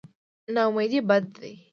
نااميدي بد دی.